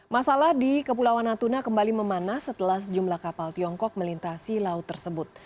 masalah di kepulauan natuna kembali memanas setelah sejumlah kapal tiongkok melintasi laut tersebut